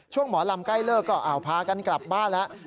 หมอลำใกล้เลิกก็พากันกลับบ้านแล้ว